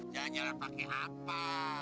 jangan pakai apa